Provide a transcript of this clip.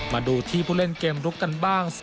มาดูที่ผู้เล่นเกมลุกกันบ้าง